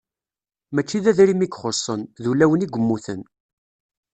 Mačči d adrim i ixuṣṣen, d ulawen i yemmuten.